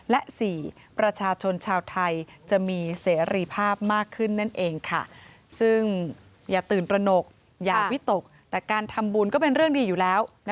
และ๔ประชาชนชาวไทยจะมีเสรีภาพมากขึ้นนั่นเองค่ะซึ่งอย่าตื่นตระหนกอย่าวิตกแต่การทำบุญก็เป็นเรื่องดีอยู่แล้ว